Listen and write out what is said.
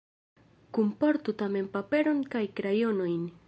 Kunportu tamen paperon kaj krajonojn.